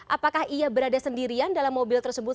apakah ia berada sendirian dalam mobil tersebut